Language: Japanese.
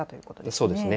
そうですね。